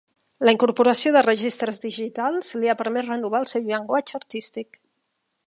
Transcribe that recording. La incorporació de registres digitals li ha permès renovar el seu llenguatge artístic.